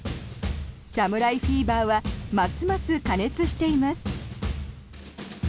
侍フィーバーはますます過熱しています。